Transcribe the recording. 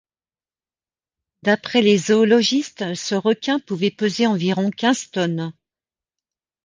D'après les zoologistes, ce requin pouvait peser environ quinze tonnes.